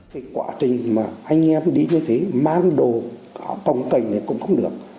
cái quá trình mà anh em đi như thế mang đồ còng cành thì cũng không được